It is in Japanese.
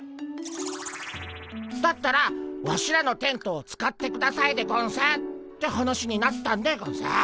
だったらワシらのテントを使ってくださいでゴンスって話になったんでゴンス。